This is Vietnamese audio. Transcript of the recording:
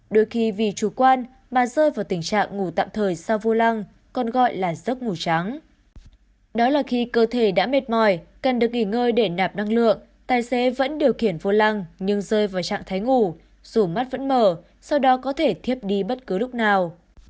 đó là khi cơ thể đã mệt mỏi cần được nghỉ ngơi để nạp năng lượng tài xế vẫn điều khiển vô lăng nhưng rơi vào trạng thái ngủ dù mắt vẫn mở sau đó có thể thiếp đi bất cứ lúc nào